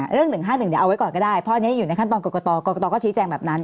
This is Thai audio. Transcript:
เรื่อง๑๕๑เดี๋ยวเอาไว้ก่อนก็ได้เพราะอันนี้อยู่ในขั้นตอนกรกตกรกตก็ชี้แจงแบบนั้น